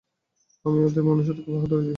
আমি ওদের মানুষ্যত্বকে বাহাদুরি দিই।